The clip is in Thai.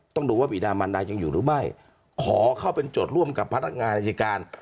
ต้องดูว่าบีดามันดายังอยู่หรือไม่ขอเข้าเป็นโจทย์ร่วมกับพนักงานอายการ